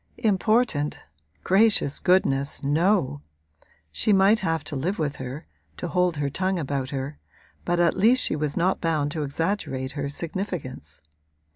Important gracious goodness, no! She might have to live with her, to hold her tongue about her; but at least she was not bound to exaggerate her significance.